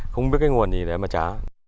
không biết cái nguồn gì để mà trả